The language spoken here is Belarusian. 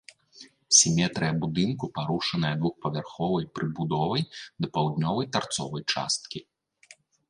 Сіметрыя будынку парушаная двухпавярховай прыбудовай да паўднёвай тарцовай часткі.